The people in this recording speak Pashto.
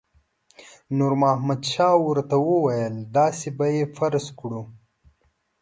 نور محمد شاه ورته وویل داسې به یې فرض کړو.